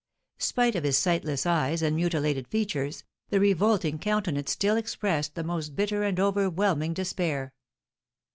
Spite of his sightless eyes and mutilated features, the revolting countenance still expressed the most bitter and overwhelming despair.